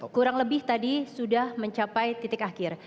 kurang lebih tadi sudah mencapai titik akhir